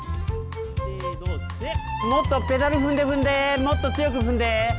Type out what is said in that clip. もっとペダル踏んで踏んでもっと強く踏んで。